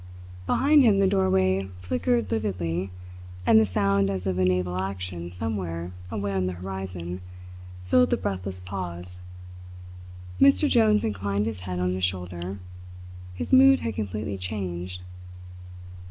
Behind him the doorway flickered lividly, and the sound as of a naval action somewhere away on the horizon filled the breathless pause. Mr. Jones inclined his head on his shoulder. His mood had completely changed.